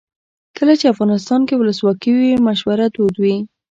کله چې افغانستان کې ولسواکي وي مشوره دود وي.